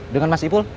dengan mas ipul